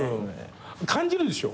感じるでしょ？